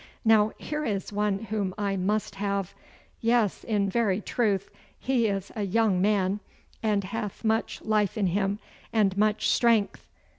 Now here is one whom I must have. Yes, in very truth he is a young man, and hath much life in him and much strength.